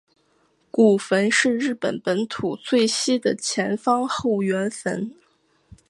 古坟是日本本土最西的前方后圆坟。